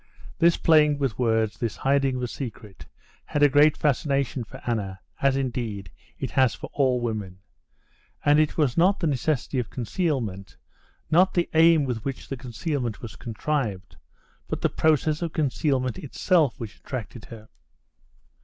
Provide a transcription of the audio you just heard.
This playing with words, this hiding of a secret, had a great fascination for Anna, as, indeed, it has for all women. And it was not the necessity of concealment, not the aim with which the concealment was contrived, but the process of concealment itself which attracted her.